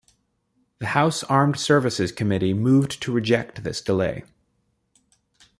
The House Armed Services Committee moved to reject this delay.